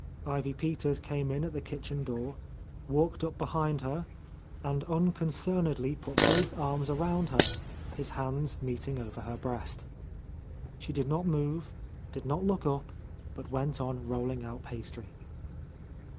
Ivy Peters came in at the kitchen door, walked up behind her, and unconcernedly put both arms around her, his hands meeting over her breast, — 169— A Lost Lady She did not move, did not look up, but went on rolling out pastry.